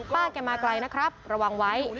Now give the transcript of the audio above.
แกมาไกลนะครับระวังไว้